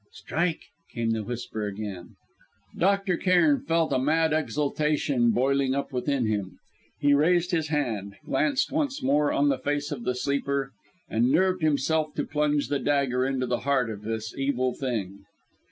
"Strike!" came the whisper again. Dr. Cairn felt a mad exultation boiling up within him. He raised his hand, glanced once more on the face of the sleeper, and nerved himself to plunge the dagger into the heart of this evil thing.